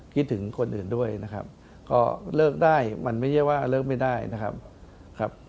คิดถึงคนอื่นด้วยนะครับก็เลิกได้มันไม่ใช่ว่าเลิกไม่ได้นะครับ